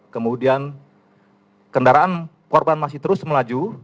kemudian kendaraan korban masih terus melaju